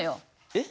えっ？